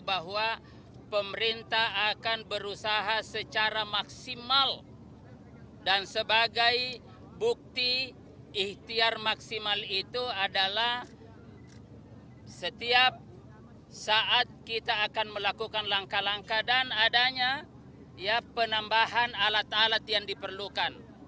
bahwa pemerintah akan berusaha secara maksimal dan sebagai bukti ihtiar maksimal itu adalah setiap saat kita akan melakukan langkah langkah dan adanya penambahan alat alat yang diperlukan